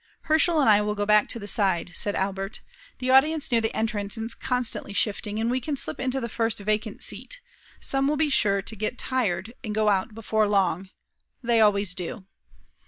"Herschel and I will go back to the side," said Albert. "The audience near the entrance is constantly shifting, and we can slip into the first vacant seat; some will be sure to get tired and go out before long. They always do."